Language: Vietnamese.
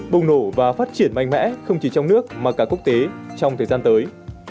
bùng nổ và phát triển mạnh mẽ không chỉ trong nước mà cả quốc tế trong thời gian tới